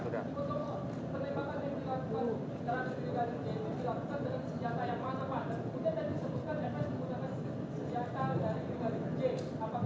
fs menggunakan senjata dari brigadir j